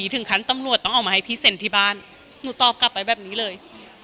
ถึงขั้นตำรวจต้องเอามาให้พี่เซ็นที่บ้านหนูตอบกลับไปแบบนี้เลย